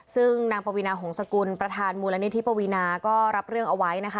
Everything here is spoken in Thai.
ซึ่งนางปวีนาหงษกุลประธานมูลนิธิปวีนาก็รับเรื่องเอาไว้นะคะ